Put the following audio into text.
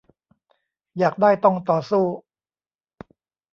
อยากได้ต้องต่อสู้